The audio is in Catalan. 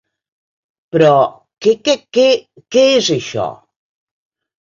Però què què què, què és, això?